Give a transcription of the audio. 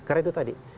karena itu tadi